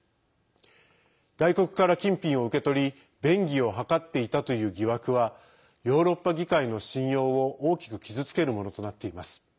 外国から金品を受け取り便宜を図っていたという疑惑はヨーロッパ議会の信用を大きく傷つけるものとなっています。